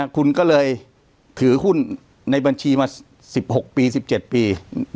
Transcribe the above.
คุณก็เลยถือหุ้นในบัญชีมา๑๖ปี๑๗ปี